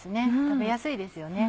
食べやすいですよね。